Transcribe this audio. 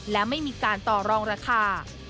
และไม่มีการต่อรองราคา